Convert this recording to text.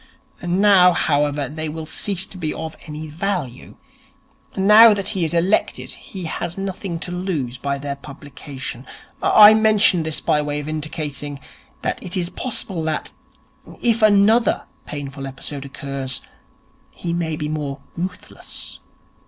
Now, however, they will cease to be of any value. Now that he is elected he has nothing to lose by their publication. I mention this by way of indicating that it is possible that, if another painful episode occurs, he may be more ruthless.'